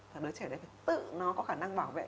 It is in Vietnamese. thì đứa trẻ đấy phải tự nó có khả năng bảo vệ